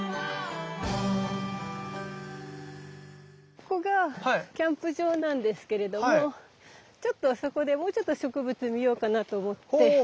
ここがキャンプ場なんですけれどもちょっとあそこでもうちょっと植物見ようかなと思って。